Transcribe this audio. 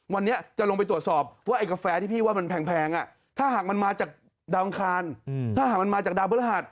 วันนี้จะลงไปตรวจสอบว่าไอ้กาแฟที่พี่ว่ามันแพงถ้าหากมันมาจากดาวอังคารถ้าหากมันมาจากดาวพฤหัส